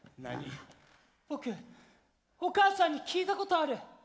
僕お母さんに聞いたことある。